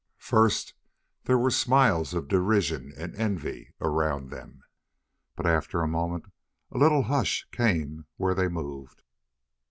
First there were smiles of derision and envy around them, but after a moment a little hush came where they moved.